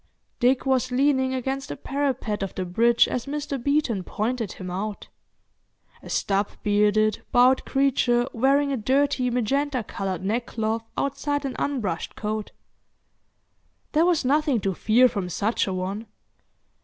Dick was leaning against the parapet of the bridge as Mr. Beeton pointed him out—a stub bearded, bowed creature wearing a dirty magenta coloured neckcloth outside an unbrushed coat. There was nothing to fear from such an one.